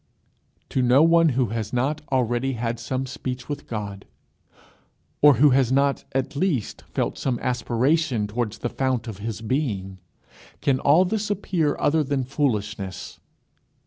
To no one who has not already had some speech with God, or who has not at least felt some aspiration towards the fount of his being, can all this appear other than foolishness.